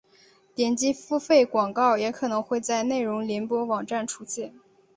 点击付费广告也可能会在内容联播网站出现。